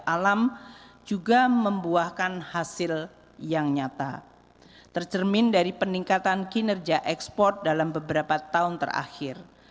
alam juga membuahkan hasil yang nyata tercermin dari peningkatan kinerja ekspor dalam beberapa tahun terakhir